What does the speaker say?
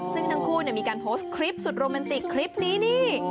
ซึ่งทั้งคู่มีการโพสต์คลิปสุดโรแมนติกคลิปนี้นี่